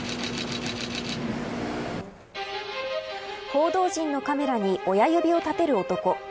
報道陣のカメラに親指を立てる男。